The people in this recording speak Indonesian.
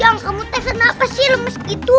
yang kamu tekan apa sih lemes itu